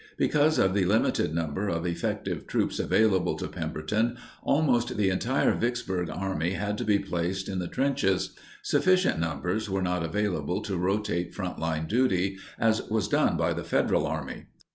Because of the limited number of effective troops available to Pemberton, almost the entire Vicksburg Army had to be placed in the trenches; sufficient numbers were not available to rotate frontline duty as was done by the Federal Army.